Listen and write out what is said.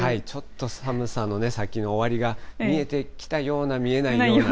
ちょっと寒さのね、先の終わりが見えてきたような、見えない